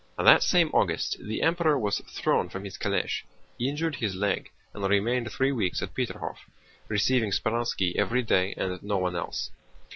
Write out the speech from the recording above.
That same August the Emperor was thrown from his calèche, injured his leg, and remained three weeks at Peterhof, receiving Speránski every day and no one else.